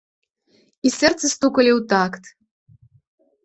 І сэрцы стукалі ў такт.